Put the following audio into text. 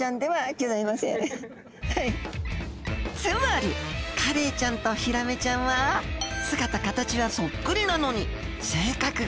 つまりカレイちゃんとヒラメちゃんは姿形はそっくりなのに性格が全然違うんです。